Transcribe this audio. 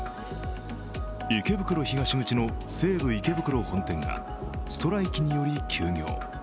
池袋東口の西武池袋本店がストライキにより休業。